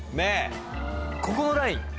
ここのライン。